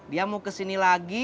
dia mau kesini lagi